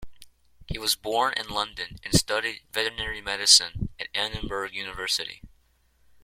He was born in London and studied veterinary medicine at Edinburgh University.